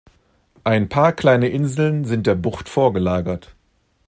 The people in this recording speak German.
Ein paar kleine Inseln sind der Bucht vorgelagert.